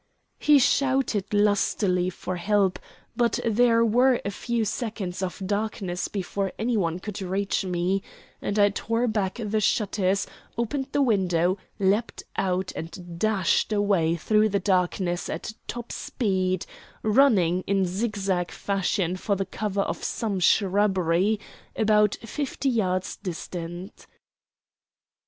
He shouted lustily for help, but there were a few seconds of darkness before any one could reach me, and I tore back the shutters, opened the window, leapt out, and dashed away through the darkness at top speed, running in zigzag fashion for the cover of some shrubbery about fifty yards distant.